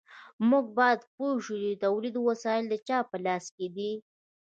موږ باید پوه شو چې د تولید وسایل د چا په لاس کې دي.